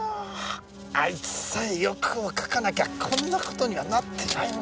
あいつさえ欲をかかなきゃこんな事にはなってないんだ。